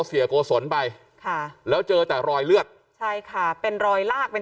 เสียโกศลไปค่ะแล้วเจอแต่รอยเลือดใช่ค่ะเป็นรอยลากเป็น